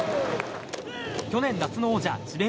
去年夏の王者、智弁